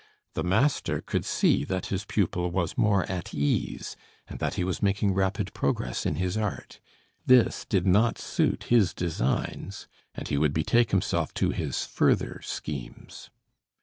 The master could see that his pupil was more at ease, and that he was making rapid progress in his art. This did not suit his designs, and he would betake himself to his further schemes.